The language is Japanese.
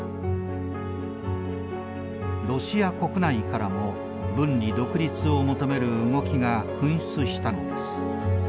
ロシア国内からも分離独立を求める動きが噴出したのです。